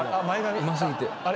うますぎて。